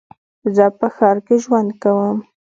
زه په ښار کې ژوند کوم.